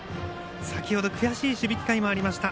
先ほど悔しい守備機会もありました。